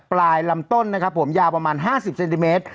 ปลายลำต้นนะครับผมยาวประมาณ๕๐เซนติเมตร